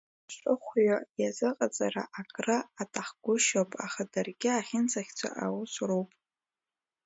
Аԥшыхәҩы иазыҟаҵара акры аҭахгәышьоуп, аха даргьы ахьынӡахьӡо аус руп.